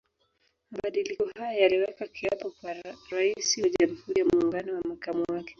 Mabadiliko hayo yaliweka kiapo kwa Raisi wa Jamhuri ya Muungano na makamu wake